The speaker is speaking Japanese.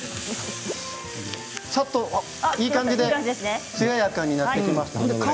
ちょっといい感じでつややかになってきました。